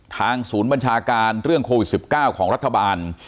ทางศูนย์บัญชาการเรื่องโควิด๑๙ของรัฐบาล